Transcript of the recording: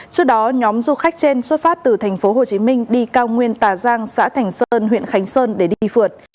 trước đó nhóm du khách trên xuất phát từ tp hcm đi cao nguyên tà giang xã thành sơn huyện khánh sơn để đi phượt